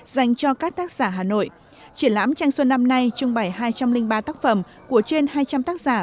dành cho các tác giả hà nội triển lãm tranh xuân năm nay trưng bày hai trăm linh ba tác phẩm của trên hai trăm linh tác giả